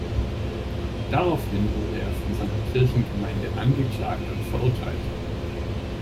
Daraufhin wurde er von seiner Kirchengemeinde angeklagt und verurteilt.